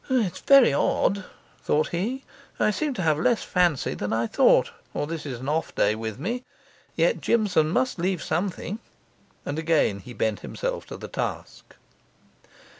'It's very odd,' thought he. 'I seem to have less fancy than I thought, or this is an off day with me; yet Jimson must leave something.' And again he bent himself to the task.